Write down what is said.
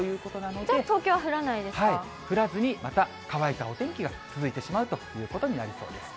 じゃあ、東京は降らないです降らずに、また乾いたお天気が続いてしまうということになりそうです。